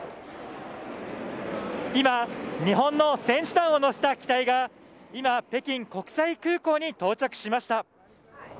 今日本の選手団を乗せた機体が北京国際空港に到着しました。